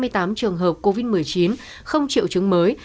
hai mươi tám trường hợp covid một mươi chín không triệu chứng mới